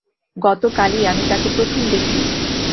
গতকালই আমি তাঁকে প্রথম দেখি।